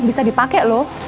bisa dipake loh